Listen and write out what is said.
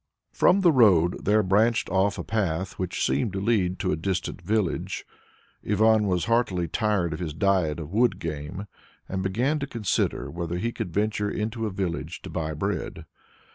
From the road there branched off a path which seemed to lead to a distant village. Ivan was heartily tired of his diet of wood game, and began to consider whether he could venture into a village to buy bread.